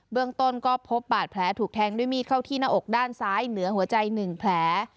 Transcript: เรื่องต้นก็พบบาดแผลถูกแทงด้วยมีดเข้าที่หน้าอกด้านซ้ายเหนือหัวใจ๑แผล